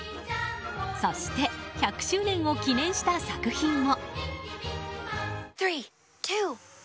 そして１００周年を記念した作品も。